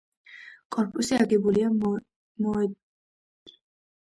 კორპუსი აგებულია მოდერნის სტილში კლასიციზმის ელემენტებით.